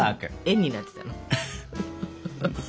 円になってたの？